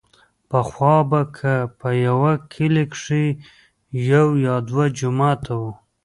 پخوا به که په يوه کلي کښې يو يا دوه جوماته وو.